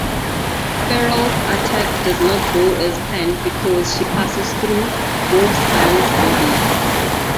Feral's attack does not go as planned because she passes through Wolfsbane's body.